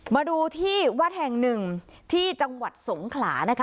มาดูที่วัดแห่งหนึ่งที่จังหวัดสงขลานะคะ